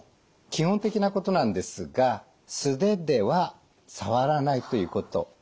基本的なことなんですが素手では触らないということ。